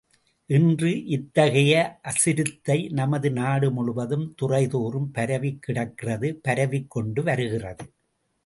இன்று இத்தகைய அசிரத்தை நமதுநாடு முழுவதும் துறைதோறும் பரவிக்கிடக்கிறது பரவிக்கொண்டு வருகிறது.